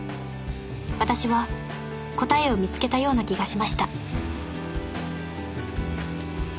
私は答えを見つけたような気がしました